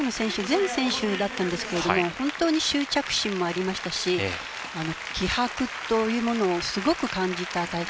全選手だったんですけれども本当に執着心もありましたし気迫というものをすごく感じた大会でしたね。